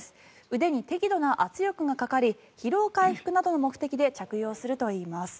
腕に適度な圧力がかかり疲労回復などの目的で着用するといいます。